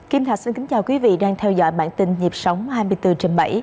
kim thạch xin kính chào quý vị đang theo dõi bản tin nhịp sống hai mươi bốn trên bảy